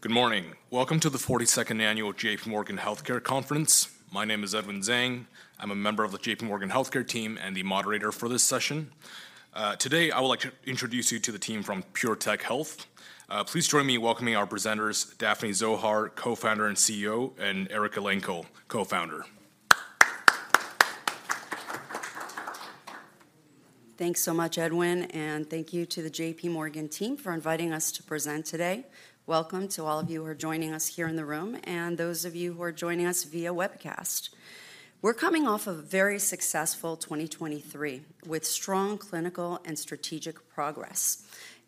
Good morning. Welcome to the 42nd annual J.P. Morgan Healthcare Conference. My name is Edwin Zhang. I'm a member of the J.P. Morgan Healthcare team and the moderator for this session. Today, I would like to introduce you to the team from PureTech Health. Please join me in welcoming our presenters, Daphne Zohar, Co-founder and CEO, and Eric Elenko, Co-founder. Thanks so much, Edwin, and thank you to the J.P. Morgan team for inviting us to present today. Welcome to all of you who are joining us here in the room, and those of you who are joining us via webcast. We're coming off a very successful 2023, with strong clinical and strategic progress.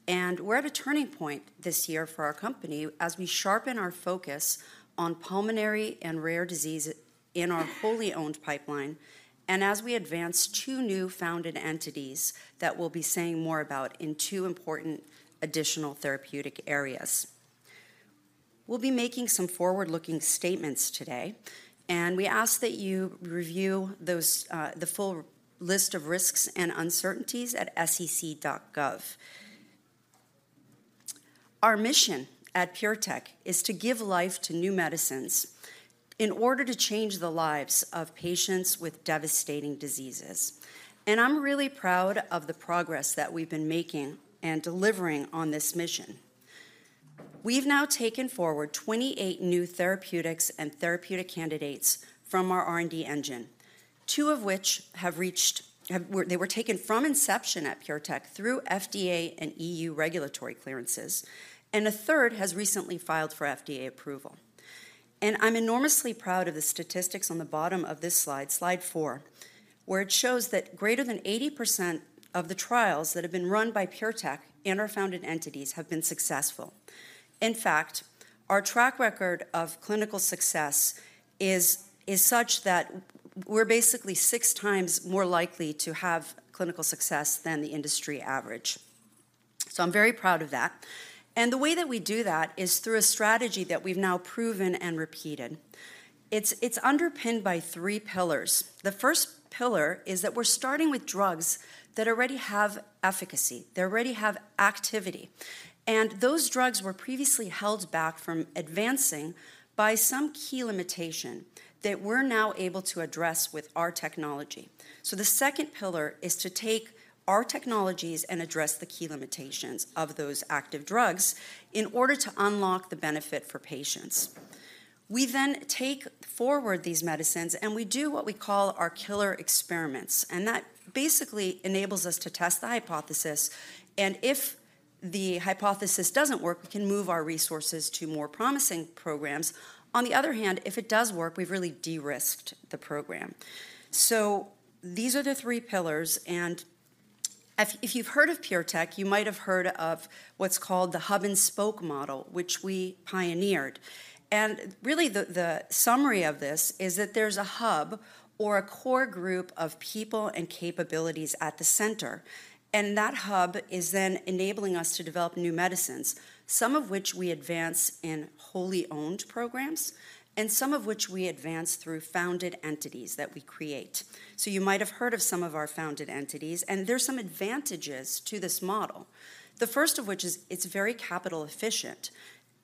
And we're at a turning point this year for our company as we sharpen our focus on pulmonary and rare disease in our fully owned pipeline, and as we advance two new founded entities that we'll be saying more about in two important additional therapeutic areas. We'll be making some forward-looking statements today, and we ask that you review those, the full list of risks and uncertainties at sec.gov. Our mission at PureTech is to give life to new medicines in order to change the lives of patients with devastating diseases, and I'm really proud of the progress that we've been making and delivering on this mission. We've now taken forward 28 new therapeutics and therapeutic candidates from our R&D engine, two of which were taken from inception at PureTech through FDA and EU regulatory clearances, and a third has recently filed for FDA approval. And I'm enormously proud of the statistics on the bottom of this slide, slide 4, where it shows that greater than 80% of the trials that have been run by PureTech and our founded entities have been successful. In fact, our track record of clinical success is such that we're basically 6 times more likely to have clinical success than the industry average. So I'm very proud of that. And the way that we do that is through a strategy that we've now proven and repeated. It's underpinned by three pillars. The first pillar is that we're starting with drugs that already have efficacy, that already have activity, and those drugs were previously held back from advancing by some key limitation that we're now able to address with our technology. So the second pillar is to take our technologies and address the key limitations of those active drugs in order to unlock the benefit for patients. We then take forward these medicines, and we do what we call our killer experiments, and that basically enables us to test the hypothesis, and if the hypothesis doesn't work, we can move our resources to more promising programs. On the other hand, if it does work, we've really de-risked the program. So these are the three pillars, and if you've heard of PureTech, you might have heard of what's called the hub-and-spoke model, which we pioneered. And really, the summary of this is that there's a hub or a core group of people and capabilities at the center, and that hub is then enabling us to develop new medicines, some of which we advance in wholly owned programs, and some of which we advance through founded entities that we create. So you might have heard of some of our founded entities, and there are some advantages to this model. The first of which is, it's very capital efficient.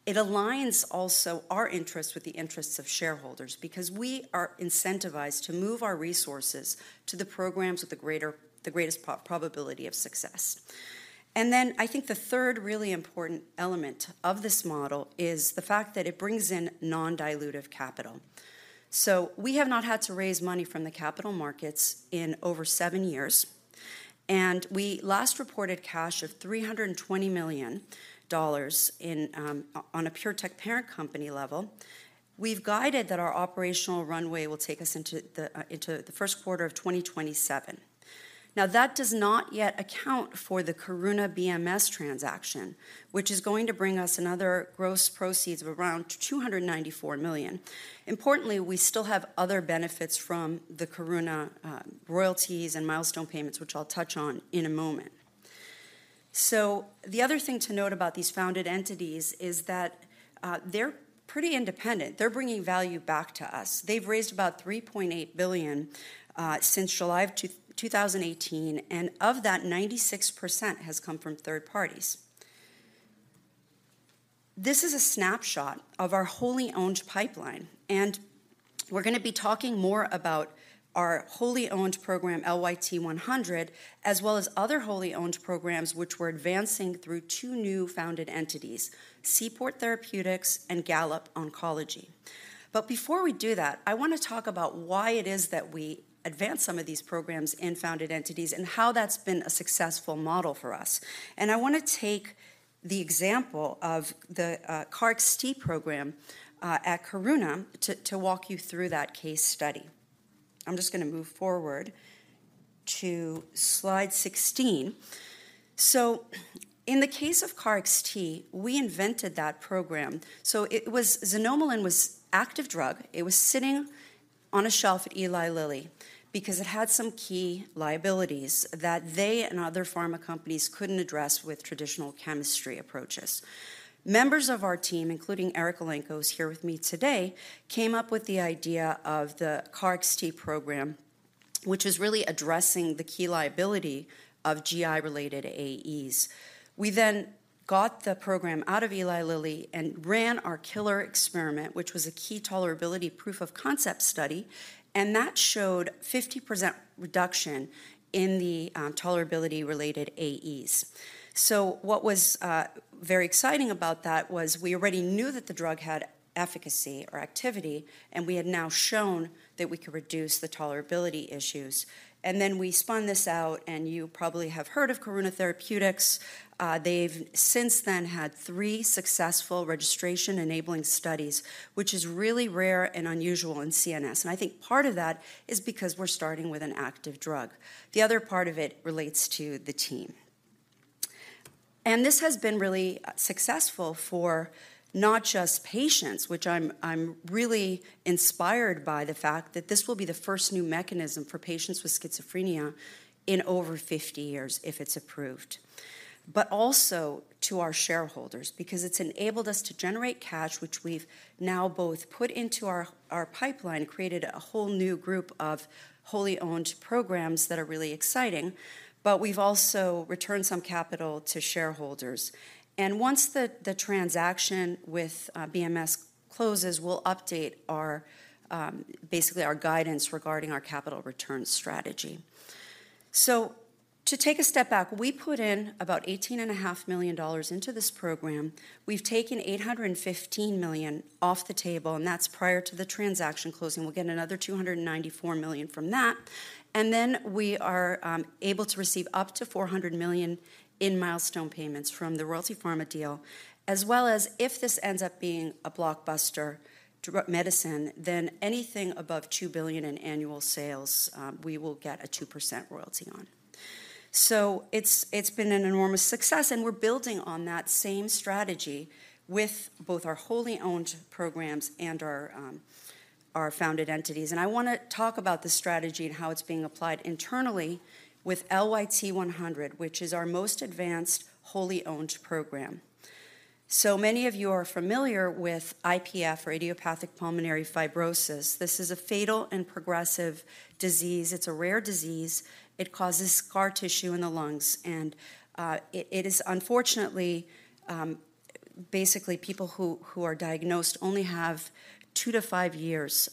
It aligns also our interests with the interests of shareholders because we are incentivized to move our resources to the programs with the greatest probability of success. And then I think the third really important element of this model is the fact that it brings in non-dilutive capital. So we have not had to raise money from the capital markets in over seven years, and we last reported cash of $320 million in on a PureTech parent company level. We've guided that our operational runway will take us into the Q1 of 2027. Now, that does not yet account for the Karuna BMS transaction, which is going to bring us another gross proceeds of around $294 million. Importantly, we still have other benefits from the Karuna royalties and milestone payments, which I'll touch on in a moment. So the other thing to note about these founded entities is that, they're pretty independent. They're bringing value back to us. They've raised about $3.8 billion since July of 2018, and of that, 96% has come from third parties. This is a snapshot of our wholly owned pipeline, and we're gonna be talking more about our wholly owned program, LYT-100, as well as other wholly owned programs, which we're advancing through two new founded entities, Seaport Therapeutics and Gallop Oncology. But before we do that, I wanna talk about why it is that we advance some of these programs in founded entities and how that's been a successful model for us. I wanna take the example of the KarXT program at Karuna to walk you through that case study. I'm just gonna move forward to slide 16. So in the case of KarXT, we invented that program. So it was xanomeline was active drug. It was sitting on a shelf at Eli Lilly because it had some key liabilities that they and other pharma companies couldn't address with traditional chemistry approaches. Members of our team, including Eric Elenko, who's here with me today, came up with the idea of the KarXT program, which is really addressing the key liability of GI-related AEs. We then got the program out of Eli Lilly and ran our killer experiment, which was a key tolerability proof of concept study, and that showed 50% reduction in the tolerability-related AEs. So what was very exciting about that was we already knew that the drug had efficacy or activity, and we had now shown that we could reduce the tolerability issues. Then we spun this out, and you probably have heard of Karuna Therapeutics. They've since then had three successful registration-enabling studies, which is really rare and unusual in CNS, and I think part of that is because we're starting with an active drug. The other part of it relates to the team. And this has been really successful for not just patients, which I'm really inspired by the fact that this will be the first new mechanism for patients with schizophrenia in over 50 years, if it's approved. But also to our shareholders, because it's enabled us to generate cash, which we've now both put into our pipeline, created a whole new group of wholly owned programs that are really exciting, but we've also returned some capital to shareholders. And once the transaction with BMS closes, we'll update our basically our guidance regarding our capital return strategy. So to take a step back, we put in about $18.5 million into this program. We've taken $815 million off the table, and that's prior to the transaction closing. We'll get another $294 million from that, and then we are able to receive up to $400 million in milestone payments from the Royalty Pharma deal, as well as if this ends up being a blockbuster medicine, then anything above $2 billion in annual sales, we will get a 2% royalty on. So it's, it's been an enormous success, and we're building on that same strategy with both our wholly owned programs and our our founded entities. And I wanna talk about the strategy and how it's being applied internally with LYT-100, which is our most advanced, wholly owned program. So many of you are familiar with IPF, or idiopathic pulmonary fibrosis. This is a fatal and progressive disease. It's a rare disease. It causes scar tissue in the lungs, and it is unfortunately basically people who are diagnosed only have 2-5 years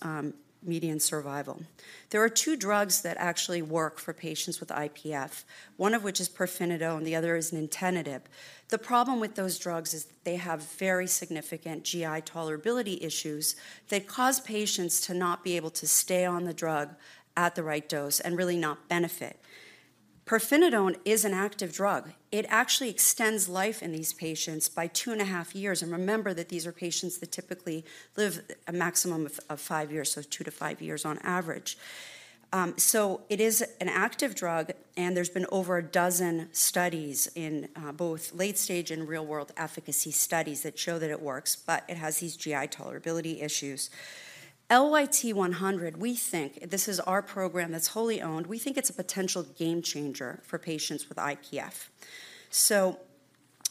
median survival. There are 2 drugs that actually work for patients with IPF, one of which is pirfenidone, and the other is nintedanib. The problem with those drugs is they have very significant GI tolerability issues that cause patients to not be able to stay on the drug at the right dose and really not benefit. Pirfenidone is an active drug. It actually extends life in these patients by 2.5 years, and remember that these are patients that typically live a maximum of 5 years, so 2-5 years on average. So it is an active drug, and there's been over a dozen studies in both late stage and real-world efficacy studies that show that it works, but it has these GI tolerability issues. LYT-100, we think, this is our program that's wholly owned. We think it's a potential game changer for patients with IPF. So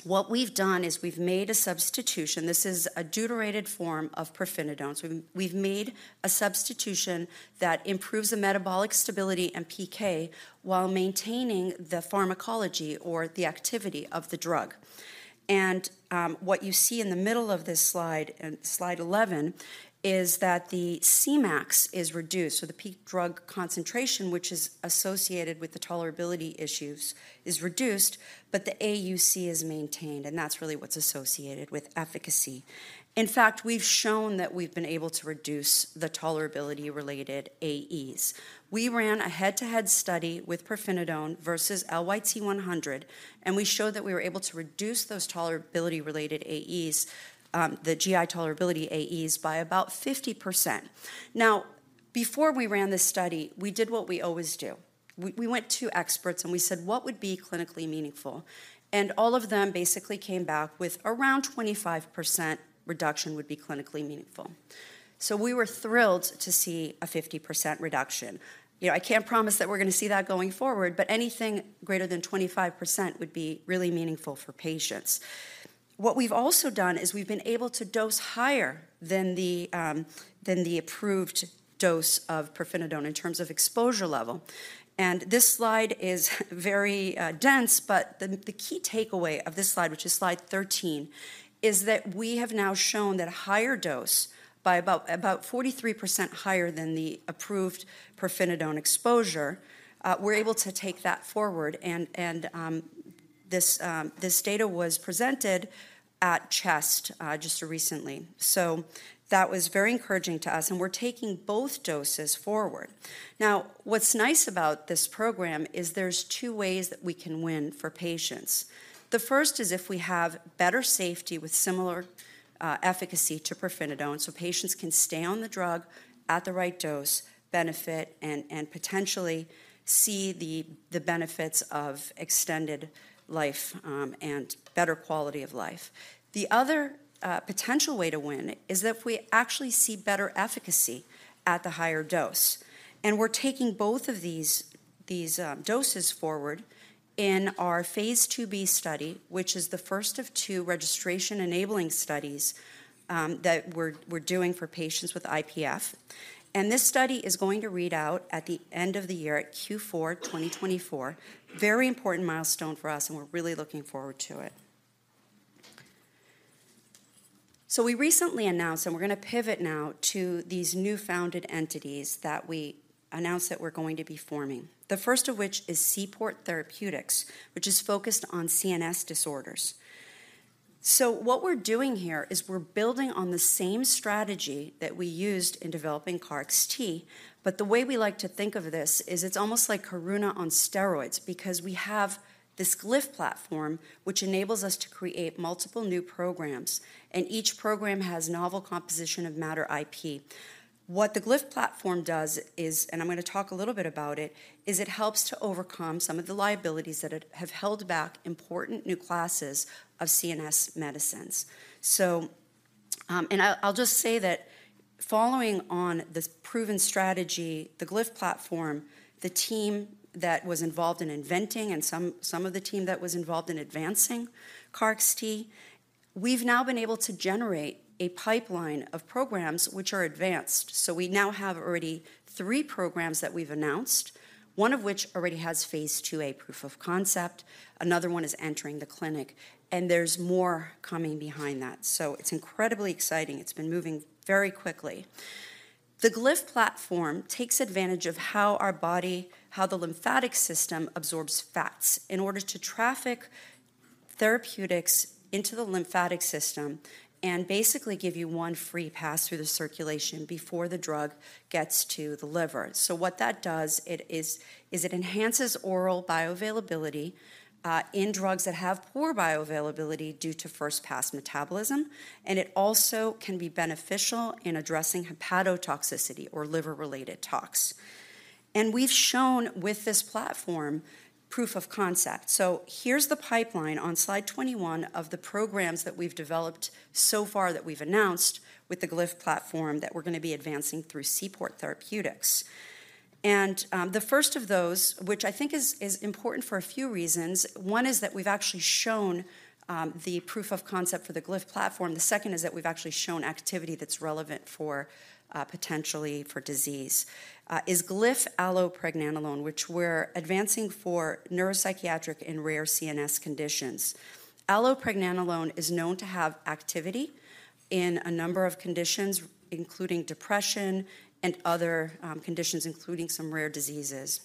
what we've done is we've made a substitution. This is a deuterated form of pirfenidone. So we've, we've made a substitution that improves the metabolic stability and PK while maintaining the pharmacology or the activity of the drug. And what you see in the middle of this slide, in Slide 11, is that the Cmax is reduced, so the peak drug concentration, which is associated with the tolerability issues, is reduced, but the AUC is maintained, and that's really what's associated with efficacy. In fact, we've shown that we've been able to reduce the tolerability-related AEs. We ran a head-to-head study with pirfenidone versus LYT-100, and we showed that we were able to reduce those tolerability-related AEs, the GI tolerability AEs, by about 50%. Now, before we ran this study, we did what we always do. We went to experts, and we said: "What would be clinically meaningful?" And all of them basically came back with around 25% reduction would be clinically meaningful. So we were thrilled to see a 50% reduction. You know, I can't promise that we're gonna see that going forward, but anything greater than 25% would be really meaningful for patients. What we've also done is we've been able to dose higher than the approved dose of pirfenidone in terms of exposure level. This slide is very dense, but the key takeaway of this slide, which is Slide 13, is that we have now shown that a higher dose by about 43% higher than the approved pirfenidone exposure, we're able to take that forward, and this data was presented at CHEST just recently. So that was very encouraging to us, and we're taking both doses forward. Now, what's nice about this program is there's two ways that we can win for patients. The first is if we have better safety with similar efficacy to pirfenidone, so patients can stay on the drug at the right dose, benefit, and potentially see the benefits of extended life and better quality of life. The other potential way to win is if we actually see better efficacy at the higher dose, and we're taking both of these doses forward in our phase II B study, which is the first of two registration-enabling studies that we're doing for patients with IPF. This study is going to read out at the end of the year at Q4 2024. Very important milestone for us, and we're really looking forward to it. We recently announced, and we're gonna pivot now to these new founded entities that we announced that we're going to be forming. The first of which is Seaport Therapeutics, which is focused on CNS disorders. So what we're doing here is we're building on the same strategy that we used in developing KarXT, but the way we like to think of this is it's almost like Karuna on steroids because we have this Glyph platform, which enables us to create multiple new programs, and each program has novel composition of matter IP. What the Glyph platform does is, and I'm gonna talk a little bit about it, is it helps to overcome some of the liabilities that have held back important new classes of CNS medicines. So, and I'll just say that following on this proven strategy, the Glyph platform, the team that was involved in inventing and some of the team that was involved in advancing KarXT, we've now been able to generate a pipeline of programs which are advanced. So we now have already three programs that we've announced, one of which already has phase II A proof of concept, another one is entering the clinic, and there's more coming behind that. So it's incredibly exciting. It's been moving very quickly. The Glyph platform takes advantage of how our body, how the lymphatic system absorbs fats in order to traffic therapeutics into the lymphatic system and basically give you one free pass through the circulation before the drug gets to the liver. So what that does is it enhances oral bioavailability in drugs that have poor bioavailability due to first pass metabolism, and it also can be beneficial in addressing hepatotoxicity or liver-related tox. And we've shown with this platform proof of concept. Here's the pipeline on slide 21 of the programs that we've developed so far that we've announced with the Glyph platform that we're gonna be advancing through Seaport Therapeutics. The first of those, which I think is important for a few reasons, one is that we've actually shown the proof of concept for the Glyph platform. The second is that we've actually shown activity that's relevant for potentially for disease is Glyph allopregnanolone, which we're advancing for neuropsychiatric and rare CNS conditions. Allopregnanolone is known to have activity in a number of conditions, including depression and other conditions, including some rare diseases.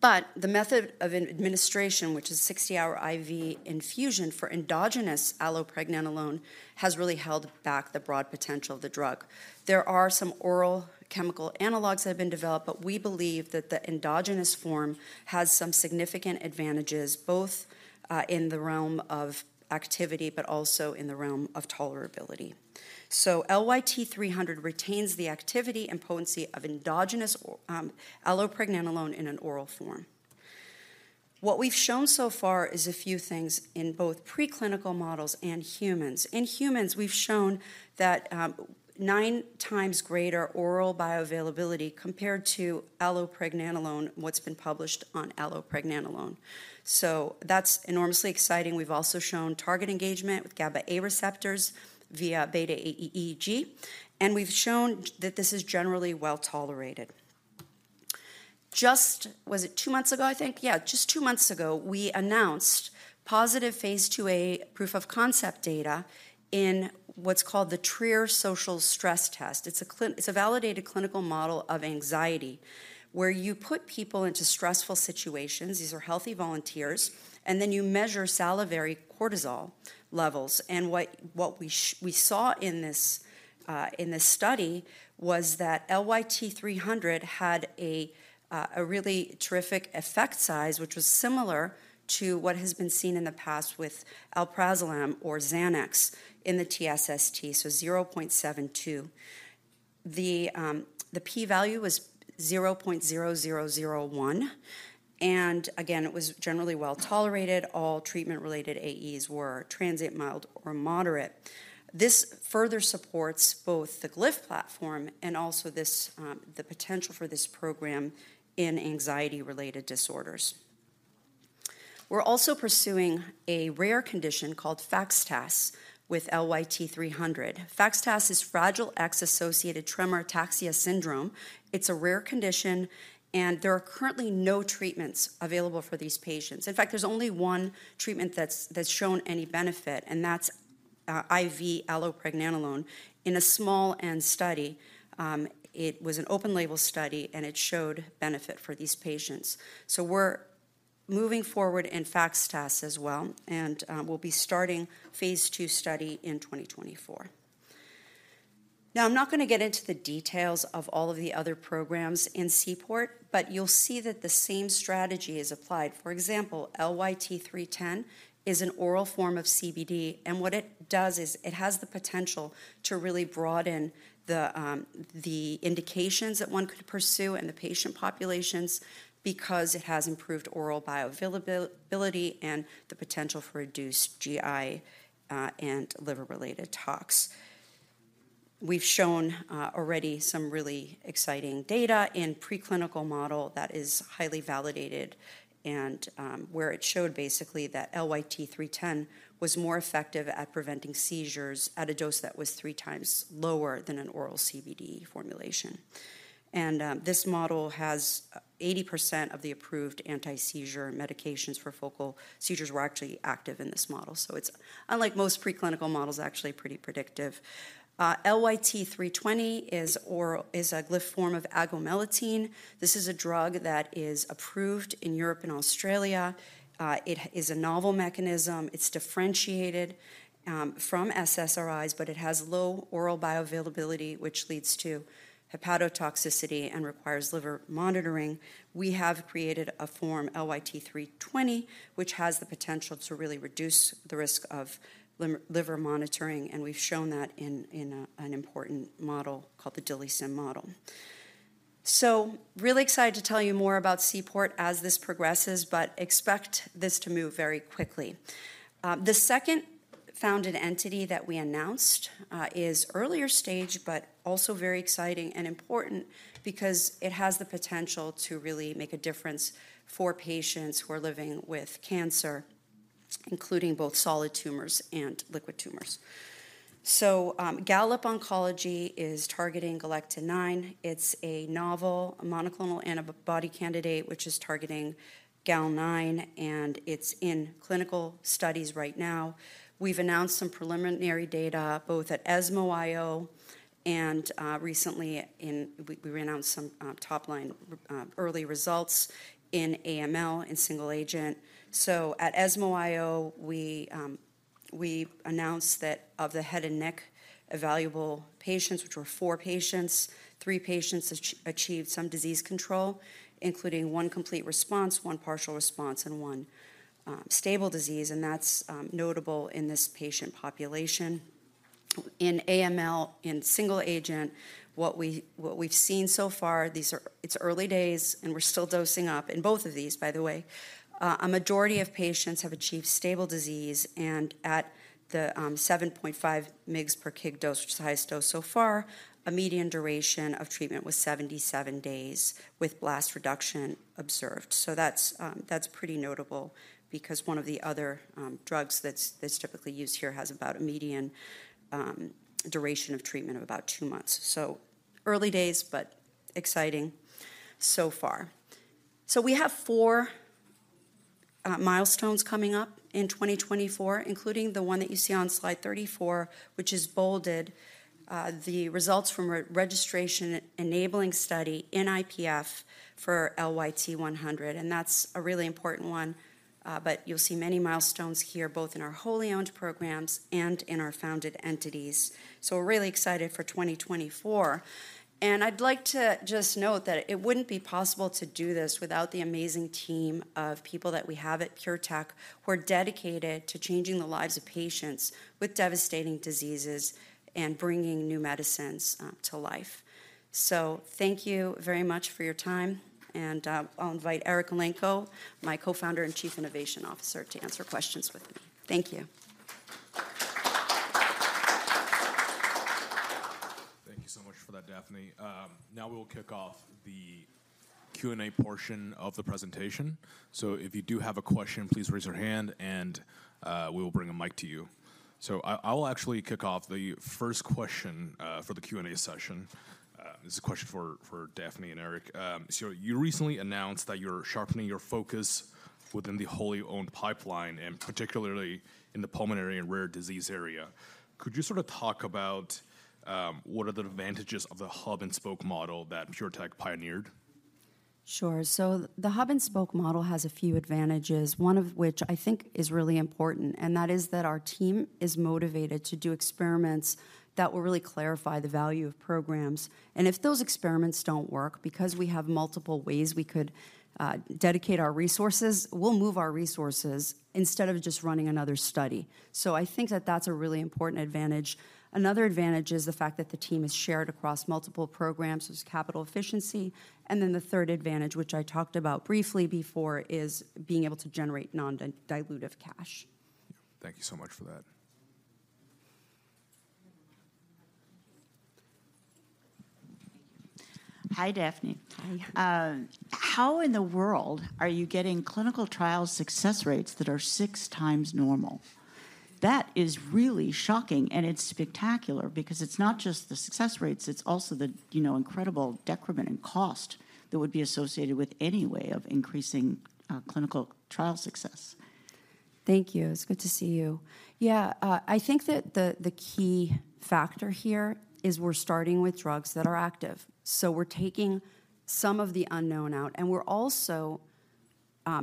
But the method of administration, which is 60-hour IV infusion for endogenous allopregnanolone, has really held back the broad potential of the drug. There are some oral chemical analogs that have been developed, but we believe that the endogenous form has some significant advantages, both in the realm of activity, but also in the realm of tolerability. So LYT-300 retains the activity and potency of endogenous or allopregnanolone in an oral form. What we've shown so far is a few things in both preclinical models and humans. In humans, we've shown that nine times greater oral bioavailability compared to allopregnanolone, what's been published on allopregnanolone. So that's enormously exciting. We've also shown target engagement with GABA-A receptors via beta EEG, and we've shown that this is generally well tolerated. Just... Was it two months ago, I think? Yeah, just two months ago, we announced positive phase II A proof of concept data in what's called the Trier Social Stress Test. It's a validated clinical model of anxiety, where you put people into stressful situations, these are healthy volunteers, and then you measure salivary cortisol levels. And what we saw in this study was that LYT-300 had a really terrific effect size, which was similar to what has been seen in the past with alprazolam or Xanax in the TSST, so 0.72. The p-value was 0.0001, and again, it was generally well tolerated. All treatment-related AEs were transient, mild or moderate. This further supports both the Glyph platform and also the potential for this program in anxiety-related disorders. We're also pursuing a rare condition called FXTAS with LYT-300. FXTAS is Fragile X-Associated Tremor Ataxia Syndrome. It's a rare condition, and there are currently no treatments available for these patients. In fact, there's only one treatment that's shown any benefit, and that's IV allopregnanolone. In a small n study, it was an open-label study, and it showed benefit for these patients. So we're moving forward in FXTAS as well, and we'll be starting phase II study in 2024. Now, I'm not gonna get into the details of all of the other programs in Seaport, but you'll see that the same strategy is applied. For example, LYT-310 is an oral form of CBD, and what it does is it has the potential to really broaden the indications that one could pursue and the patient populations because it has improved oral bioavailability and the potential for reduced GI and liver-related tox.... We've shown already some really exciting data in preclinical model that is highly validated and, where it showed basically that LYT-310 was more effective at preventing seizures at a dose that was three times lower than an oral CBD formulation. This model has 80% of the approved anti-seizure medications for focal seizures were actually active in this model. So it's unlike most preclinical models, actually pretty predictive. LYT-320 is oral—is a Glyph form of agomelatine. This is a drug that is approved in Europe and Australia. It is a novel mechanism. It's differentiated from SSRIs, but it has low oral bioavailability, which leads to hepatotoxicity and requires liver monitoring. We have created a form, LYT-320, which has the potential to really reduce the risk of liver monitoring, and we've shown that in an important model called the DILIsym model. So really excited to tell you more about Seaport as this progresses, but expect this to move very quickly. The second founded entity that we announced is earlier stage, but also very exciting and important because it has the potential to really make a difference for patients who are living with cancer, including both solid tumors and liquid tumors. Gallop Oncology is targeting galectin-9. It's a novel monoclonal antibody candidate, which is targeting Gal-9, and it's in clinical studies right now. We've announced some preliminary data, both at ESMO IO and recently we announced some top-line early results in AML in single agent. So at ESMO IO, we announced that of the head and neck evaluable patients, which were four patients, three patients achieved some disease control, including one complete response, one partial response, and one stable disease, and that's notable in this patient population. In AML, in single agent, what we've seen so far, it's early days, and we're still dosing up in both of these, by the way. A majority of patients have achieved stable disease, and at the 7.5 mg/kg dose, which is the highest dose so far, a median duration of treatment was 77 days with blast reduction observed. So that's pretty notable because one of the other drugs that's typically used here has about a median duration of treatment of about two months. Early days, but exciting so far. We have four milestones coming up in 2024, including the one that you see on slide 34, which is bolded, the results from re-registration enabling study in IPF for LYT-100, and that's a really important one. But you'll see many milestones here, both in our wholly owned programs and in our founded entities. We're really excited for 2024. I'd like to just note that it wouldn't be possible to do this without the amazing team of people that we have at PureTech, who are dedicated to changing the lives of patients with devastating diseases and bringing new medicines to life. Thank you very much for your time, and I'll invite Eric Elenko, my co-founder and chief innovation officer, to answer questions with me. Thank you. Thank you so much for that, Daphne. Now we will kick off the Q&A portion of the presentation. So if you do have a question, please raise your hand, and we will bring a mic to you. So I will actually kick off the first question for the Q&A session. This is a question for Daphne and Eric. So you recently announced that you're sharpening your focus within the wholly owned pipeline, and particularly in the pulmonary and rare disease area. Could you sort of talk about what are the advantages of the hub-and-spoke model that PureTech pioneered? Sure. So the hub-and-spoke model has a few advantages, one of which I think is really important, and that is that our team is motivated to do experiments that will really clarify the value of programs. And if those experiments don't work, because we have multiple ways we could dedicate our resources, we'll move our resources instead of just running another study. So I think that that's a really important advantage. Another advantage is the fact that the team is shared across multiple programs, there's capital efficiency. And then the third advantage, which I talked about briefly before, is being able to generate non-dilutive cash. Thank you so much for that. Hi, Daphne. Hi. How in the world are you getting clinical trial success rates that are 6 times normal? That is really shocking, and it's spectacular because it's not just the success rates, it's also the, you know, incredible decrement in cost that would be associated with any way of increasing clinical trial success. Thank you. It's good to see you. Yeah, I think that the key factor here is we're starting with drugs that are active. So we're taking some of the unknown out, and we're also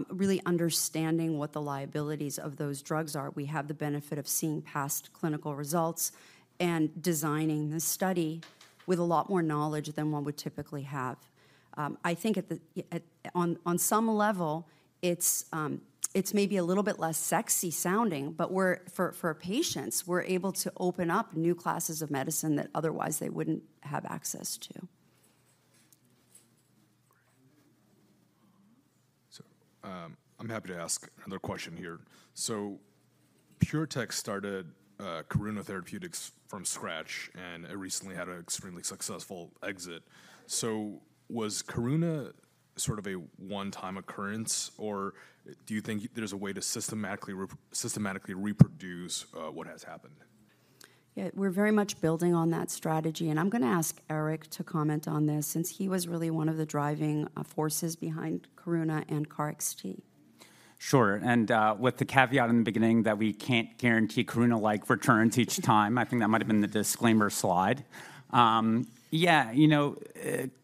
really understanding what the liabilities of those drugs are. We have the benefit of seeing past clinical results and designing the study with a lot more knowledge than one would typically have. I think at the on some level, it's maybe a little bit less sexy sounding, but for patients, we're able to open up new classes of medicine that otherwise they wouldn't have access to. ... I'm happy to ask another question here. So PureTech started Karuna Therapeutics from scratch, and it recently had an extremely successful exit. So was Karuna sort of a one-time occurrence, or do you think there's a way to systematically reproduce what has happened? Yeah, we're very much building on that strategy, and I'm gonna ask Eric to comment on this since he was really one of the driving forces behind Karuna and KarXT. Sure, and with the caveat in the beginning that we can't guarantee Karuna-like returns each time, I think that might have been the disclaimer slide. Yeah, you know,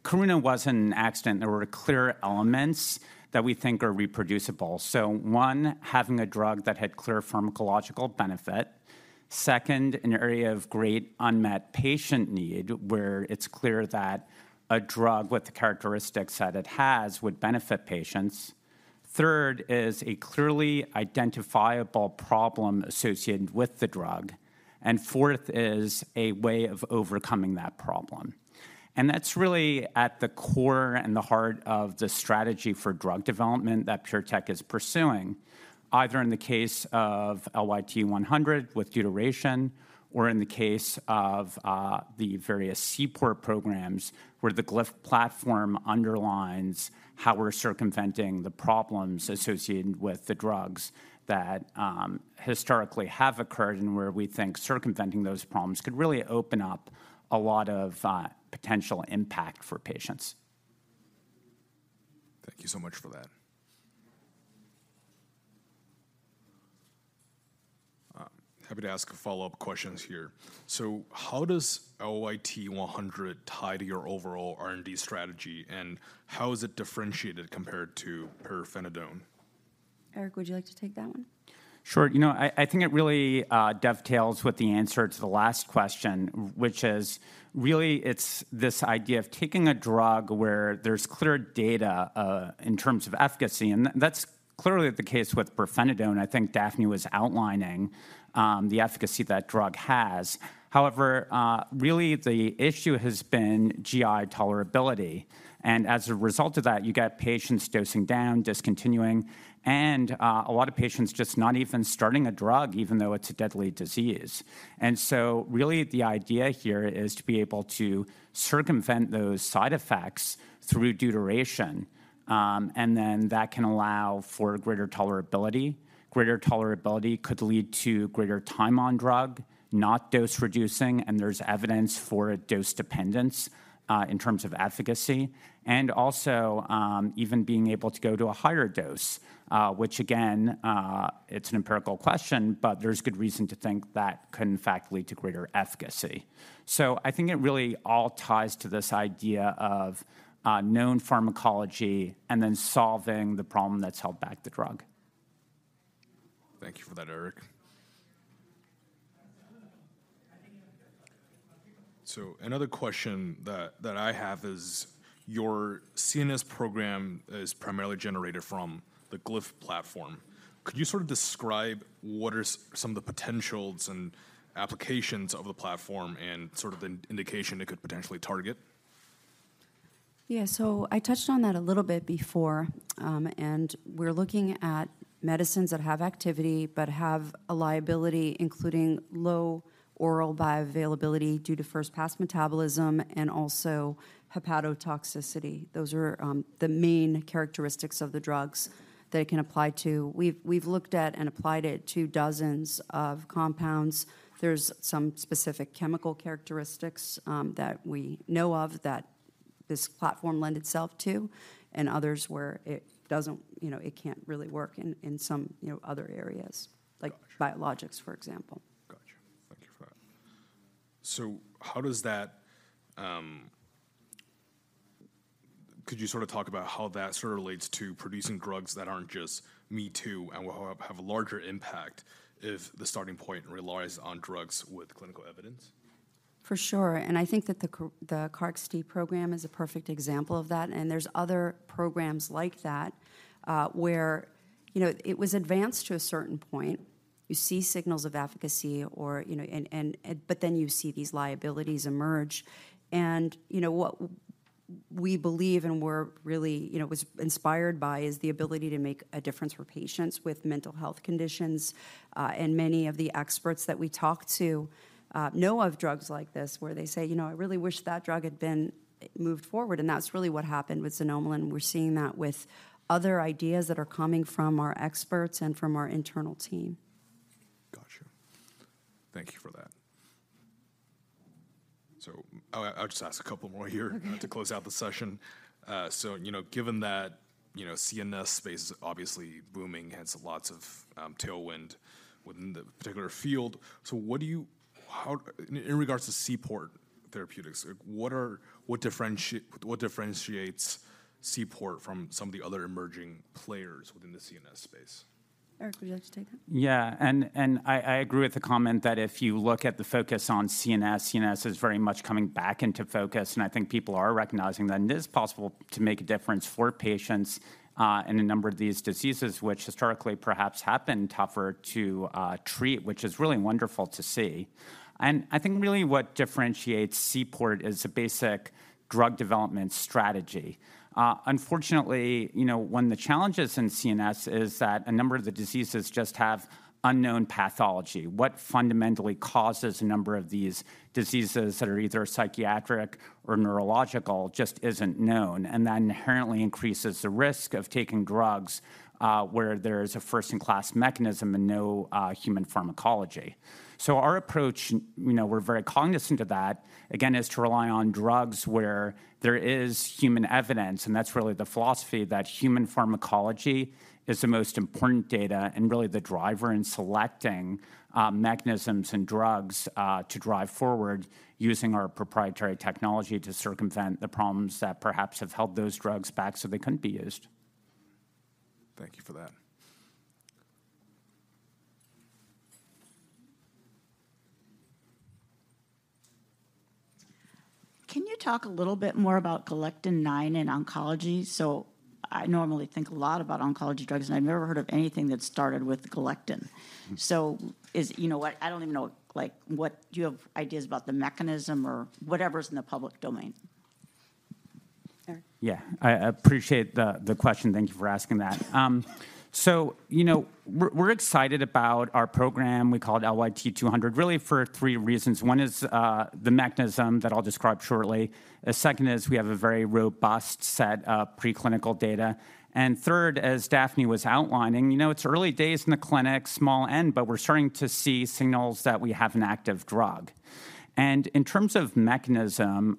Karuna wasn't an accident. There were clear elements that we think are reproducible. So one, having a drug that had clear pharmacological benefit. Second, an area of great unmet patient need, where it's clear that a drug with the characteristics that it has would benefit patients. Third is a clearly identifiable problem associated with the drug, and fourth is a way of overcoming that problem. That's really at the core and the heart of the strategy for drug development that PureTech is pursuing, either in the case of LYT-100 with deuteration or in the case of the various Seaport programs, where the Glyph platform underlines how we're circumventing the problems associated with the drugs that historically have occurred and where we think circumventing those problems could really open up a lot of potential impact for patients. Thank you so much for that. Happy to ask follow-up questions here. So how does LYT-100 tie to your overall R&D strategy, and how is it differentiated compared to pirfenidone? Eric, would you like to take that one? Sure. You know, I think it really dovetails with the answer to the last question, which is, really, it's this idea of taking a drug where there's clear data in terms of efficacy, and that's clearly the case with pirfenidone. I think Daphne was outlining the efficacy that drug has. However, really the issue has been GI tolerability, and as a result of that, you get patients dosing down, discontinuing, and a lot of patients just not even starting a drug, even though it's a deadly disease. And so really, the idea here is to be able to circumvent those side effects through deuteration, and then that can allow for greater tolerability. Greater tolerability could lead to greater time on drug, not dose-reducing, and there's evidence for a dose dependence in terms of efficacy, and also even being able to go to a higher dose, which again, it's an empirical question, but there's good reason to think that could in fact lead to greater efficacy. So I think it really all ties to this idea of known pharmacology and then solving the problem that's held back the drug. Thank you for that, Eric. Another question that I have is, your CNS program is primarily generated from the Glyph platform. Could you sort of describe what are some of the potentials and applications of the platform and sort of the indication it could potentially target? Yeah, so I touched on that a little bit before, and we're looking at medicines that have activity but have a liability, including low oral bioavailability due to first-pass metabolism and also hepatotoxicity. Those are the main characteristics of the drugs that it can apply to. We've looked at and applied it to dozens of compounds. There's some specific chemical characteristics that we know of that this platform lend itself to, and others where it doesn't... You know, it can't really work in some, you know, other areas- Gotcha... like biologics, for example. Gotcha. Thank you for that. Could you sort of talk about how that sort of relates to producing drugs that aren't just me-too and will have a larger impact if the starting point relies on drugs with clinical evidence? For sure, and I think that the KarXT program is a perfect example of that, and there's other programs like that, where, you know, it was advanced to a certain point. You see signals of efficacy or, you know, and, and but then you see these liabilities emerge. And, you know, what we believe, and we're really, you know, was inspired by, is the ability to make a difference for patients with mental health conditions. And many of the experts that we talk to know of drugs like this, where they say, "You know, I really wish that drug had been moved forward," and that's really what happened with xanomeline. We're seeing that with other ideas that are coming from our experts and from our internal team. Gotcha. Thank you for that. So I'll just ask a couple more here to close out the session. So, you know, given that, you know, CNS space is obviously booming, hence lots of tailwind within the particular field, so what do you, in regards to Seaport Therapeutics, like, what differentiates Seaport from some of the other emerging players within the CNS space?... Eric, would you like to take that? Yeah, I agree with the comment that if you look at the focus on CNS, CNS is very much coming back into focus, and I think people are recognizing that it is possible to make a difference for patients in a number of these diseases, which historically perhaps have been tougher to treat, which is really wonderful to see. And I think really what differentiates Seaport is a basic drug development strategy. Unfortunately, you know, one of the challenges in CNS is that a number of the diseases just have unknown pathology. What fundamentally causes a number of these diseases that are either psychiatric or neurological just isn't known, and that inherently increases the risk of taking drugs where there's a first-in-class mechanism and no human pharmacology. So our approach, you know, we're very cognizant of that, again, is to rely on drugs where there is human evidence, and that's really the philosophy, that human pharmacology is the most important data and really the driver in selecting mechanisms and drugs to drive forward using our proprietary technology to circumvent the problems that perhaps have held those drugs back so they couldn't be used. Thank you for that. Can you talk a little bit more about galectin-9 and oncology? So I normally think a lot about oncology drugs, and I've never heard of anything that started with galectin. Mm-hmm. You know what? I don't even know, like, what... Do you have ideas about the mechanism or whatever's in the public domain? Eric? Yeah. I appreciate the question. Thank you for asking that. So, you know, we're excited about our program, we call it LYT-200, really for three reasons. One is the mechanism that I'll describe shortly. The second is we have a very robust set of preclinical data. And third, as Daphne was outlining, you know, it's early days in the clinic, small end, but we're starting to see signals that we have an active drug. And in terms of mechanism,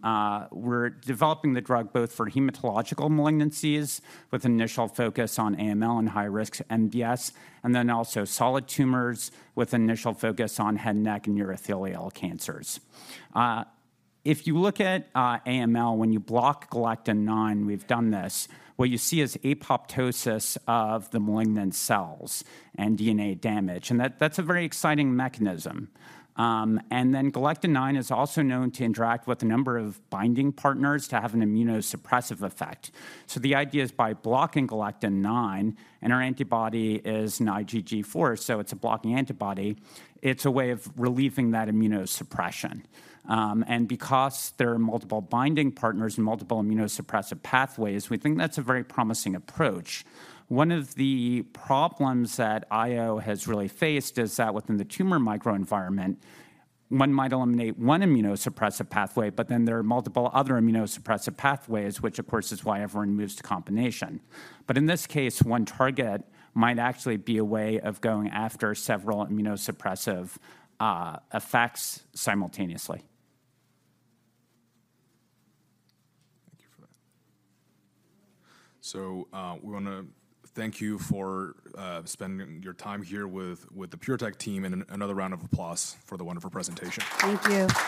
we're developing the drug both for hematological malignancies, with initial focus on AML and high-risk MDS, and then also solid tumors, with initial focus on head, neck, and urothelial cancers. If you look at AML, when you block Galectin-9, we've done this, what you see is apoptosis of the malignant cells and DNA damage, and that's a very exciting mechanism. And then Galectin-9 is also known to interact with a number of binding partners to have an immunosuppressive effect. So the idea is by blocking Galectin-9, and our antibody is an IgG4, so it's a blocking antibody, it's a way of relieving that immunosuppression. And because there are multiple binding partners and multiple immunosuppressive pathways, we think that's a very promising approach. One of the problems that IO has really faced is that within the tumor microenvironment, one might eliminate one immunosuppressive pathway, but then there are multiple other immunosuppressive pathways, which of course, is why everyone moves to combination. But in this case, one target might actually be a way of going after several immunosuppressive, effects simultaneously. Thank you for that. So, we want to thank you for spending your time here with the PureTech team, and another round of applause for the wonderful presentation. Thank you.